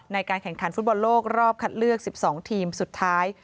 ในการแข่งขันฟุตบอลโลกรอบคัดเลือก๑๒ทีมสุดท้าย